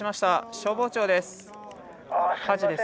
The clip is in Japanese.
消防庁です。